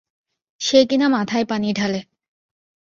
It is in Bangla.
সে কিনা মাথায় পানি ঢালে।